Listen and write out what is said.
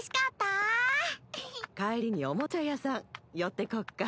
帰りにおもちゃ屋さん寄ってこっか。